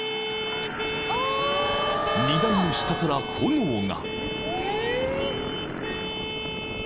［荷台の下から炎が］